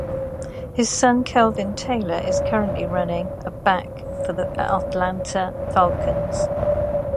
His son, Kelvin Taylor, is currently a running back for the Atlanta Falcons.